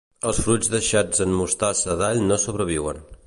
Els fruits deixats en mostassa d'all no sobreviuen.